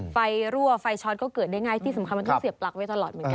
ไฟรั่วไฟชอตก็เกิดได้ง่ายที่สำคัญมันต้องเสียปลั๊กไว้ตลอด